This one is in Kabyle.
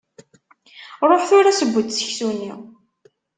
Ruḥ tura seww-d seksu-nni.